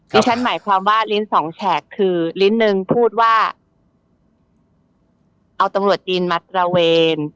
ฉันหมายความว่าลิ้นสองแฉกคือลิ้นหนึ่งพูดว่าเอาตำรวจจีนมาตระเวน